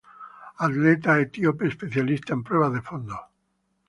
Atleta etíope especialista en pruebas de fondo.